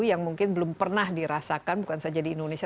yang mungkin belum pernah dirasakan bukan saja di indonesia